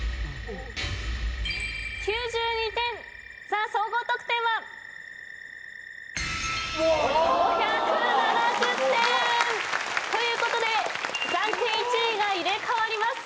さあ総合得点は？ということで暫定１位が入れ替わります。